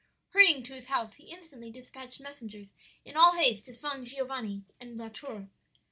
"Hurrying to his house, he instantly dispatched messengers in all haste to San Giovanni and La Tour.